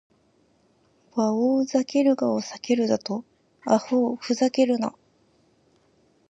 バオウ・ザケルガを避けるだと！アホウ・フザケルナ！